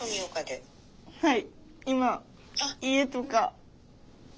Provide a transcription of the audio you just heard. はい。